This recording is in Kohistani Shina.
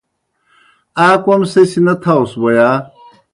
آ کوْم سہ سیْ نہ تھاؤس بوْ یا؟